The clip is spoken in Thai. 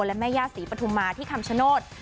และแม่ย่าศรีปฐุมาที่คำชโนธ